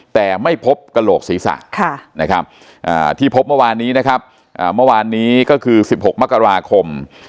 แต่ไม่พบกะโหลกสีสังที่พบเมื่อวานนี้คือ๑๖มกราคม